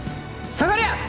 下がりゃ！